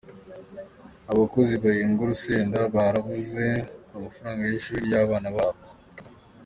abakozi bahembwa urusenda barabuze amafr y’ishuri ry’abana babo ?